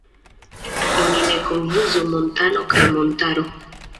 Oni ne konfuzu "montano" kaj "montaro".